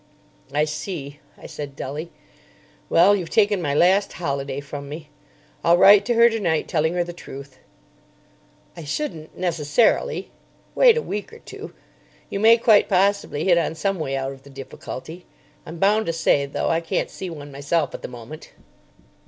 "I see," I said, dully. "Well, you've taken my last holiday from me. I'll write to her tonight, telling her the truth." "I shouldn't, necessarily. Wait a week or two. You may quite possibly hit on some way out of the difficulty. I'm bound to say, though, I can't see one myself at the moment."